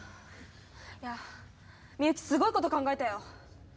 いや深雪すごいこと考えたよ。